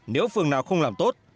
nếu phường nào không làm tốt